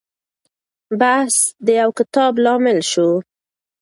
بحث د يو کتاب لامل شو.